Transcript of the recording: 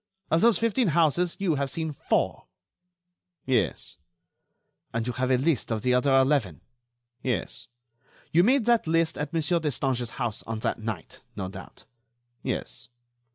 "Of those fifteen houses, you have seen four." "Yes." "And you have a list of the other eleven." "Yes." "You made that list at Monsieur Destange's house on that night, no doubt." "Yes."